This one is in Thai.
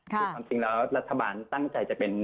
คือความจริงแล้วรัฐบาลตั้งใจจะเป็น